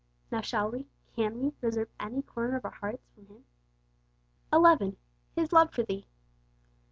Now shall we, can we, reserve any corner of our hearts from Him? 11. His Love 'for thee.'